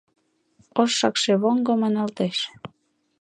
— Ош шакшевоҥго маналтеш.